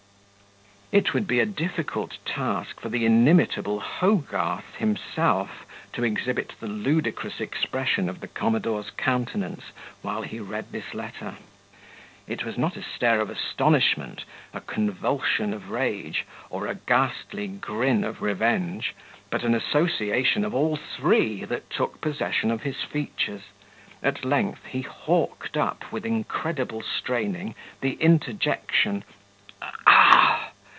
It would be a difficult task for the inimitable Hogarth himself to exhibit the ludicrous expression of the commodore's countenance while he read this letter. It was not a stare of astonishment, a convulsion of rage, or a ghastly grin of revenge; but an association of all three, that took possession of his features. At length, he hawked up, with incredible straining, the interjection, "Ah!"